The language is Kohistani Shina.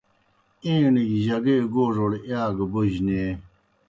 ایݨیْ گیْ جگے گوڙوْڑ ایا گہ بوجہ نیں۔